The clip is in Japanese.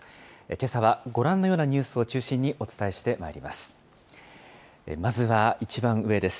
けさはご覧のようなニュースを中心にお伝えしてまいります。